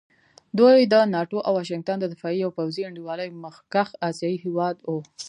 دوی د ناټو او واشنګټن د دفاعي او پوځي انډیوالۍ مخکښ اسیایي هېواد وو.